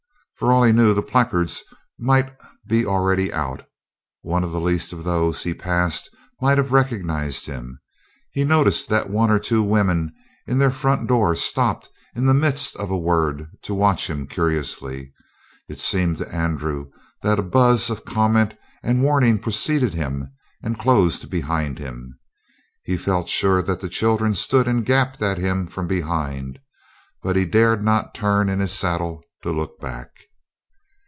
For all he knew, the placards might be already out, one of the least of those he passed might have recognized him. He noticed that one or two women, in their front door, stopped in the midst of a word to watch him curiously. It seemed to Andrew that a buzz of comment and warning preceded him and closed behind him. He felt sure that the children stood and gaped at him from behind, but he dared not turn in his saddle to look back.